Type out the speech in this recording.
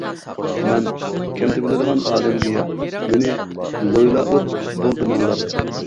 مەن كەم تېپىلىدىغان ئادەمگىياھ مېنى لويلا ئوت بول دېمەڭلار.